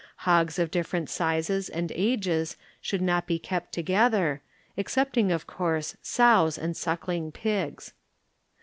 Hogs of different sizes and ages should not be kept together, except ing of course sows and suckling pigs.